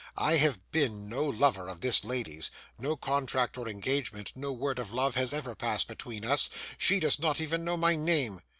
I have been no lover of this lady's. No contract or engagement, no word of love, has ever passed between us. She does not even know my name.